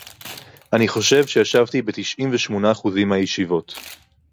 אני חושב שישבתי ב=תשעים ושמונה אחוזים מהישיבות